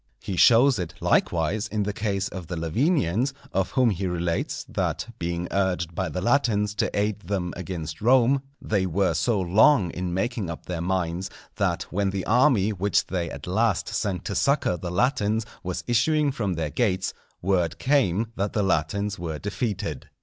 He shows it, likewise, in the case of the Lavinians, of whom he relates, that being urged by the Latins to aid them against Rome, they were so long in making up their minds, that when the army which they at last sent to succour the Latins was issuing from their gates, word came that the Latins were defeated.